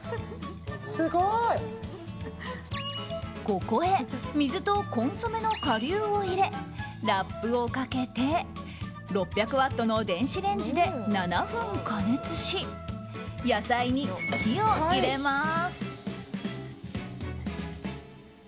ここへ水とコンソメの顆粒を入れラップをかけて６００ワットの電子レンジで７分加熱し、野菜に火を入れます。